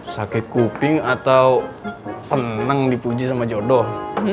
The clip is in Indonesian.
sakit kuping atau senang dipuji sama jodoh